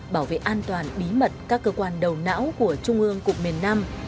bảo vệ an toàn bí mật các cơ quan đầu não của trung ương cục miền nam